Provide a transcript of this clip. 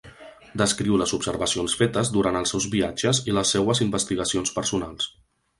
Descriu les observacions fetes durant els seus viatges i les seues investigacions personals.